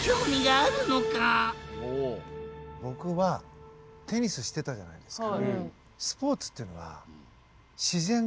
僕はテニスしてたじゃないですか。